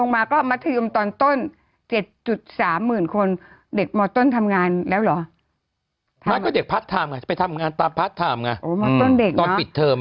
มัธยมตอนเด็กพัฒน์ไทม์ไงไปทำงานตามพัฒน์ไทม์ไงตอนปิดเทอม